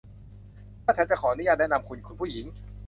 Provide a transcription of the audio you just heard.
ถ้าฉันจะขออนุญาตแนะนำคุณ คุณผู้หญิง